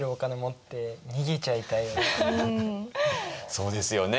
そうですよね